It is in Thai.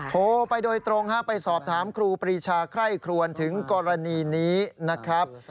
โทรไปโดยตรงไปสอบถามครูปรีชาไคร่ครวนถึงกรณีนี้นะครับ